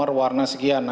nomor warna sekian